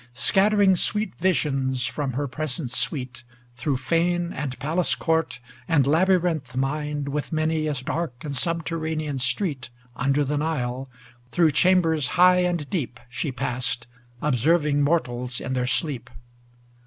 Scattering sweet visions from her pre sence sweet; Through fane and palace court and laby rinth mined With many a dark and subterranean street Under the Nile, through chambers high and deep She passed, observing mortals in their sleep.